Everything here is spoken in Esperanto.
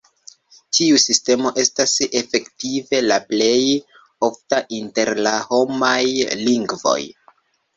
Tiu sistemo estas efektive la plej ofta inter la homaj lingvoj.